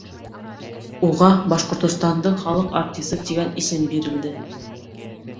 Уға Башҡортостандың халыҡ артисы тигән исем бирелде.